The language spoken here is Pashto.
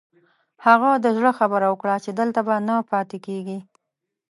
هغه د زړه خبره وکړه چې دلته به نه پاتې کېږي.